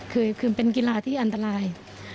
คือเป็นกีฬาที่อันตราย